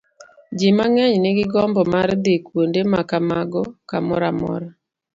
Ji mang'eny nigi gombo mar dhi kuonde ma kamago kamoro amora.